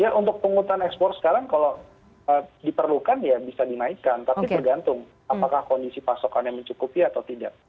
ya untuk penghutang ekspor sekarang kalau diperlukan ya bisa dinaikkan tapi bergantung apakah kondisi pasokannya mencukupi atau tidak